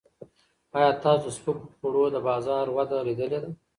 ایا تاسو د سپکو خوړو د بازار وده لیدلې ده؟